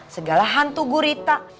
segala hantu gurita